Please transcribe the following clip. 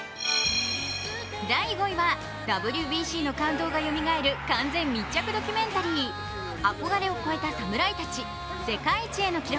第５位はＷＢＣの感動がよみがえる完全密着ドキュメンタリー「憧れを超えた侍たち世界一への記録」。